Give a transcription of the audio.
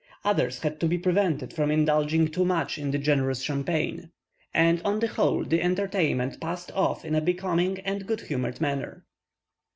Others had to be prevented from indulging too much in the generous champagne; but, on the whole, the entertainment passed off in a becoming and good humoured manner.